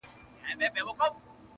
چي قلا د یوه ورور یې آبادیږي،